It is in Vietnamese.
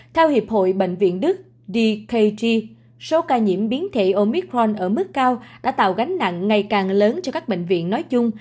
theo hiệp hội bệnh viện đức dkt số ca nhiễm biến thể omitron ở mức cao đã tạo gánh nặng ngày càng lớn cho các bệnh viện nói chung